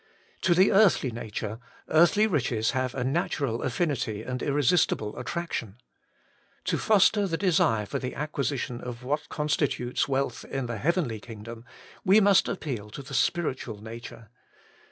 To the earthly nature, earthly riches have a natural affinity and irresistible attraction. To foster the desire for the acquisition of what constitutes wealth in the heavenly kingdom, we must appeal to the spiritual nature.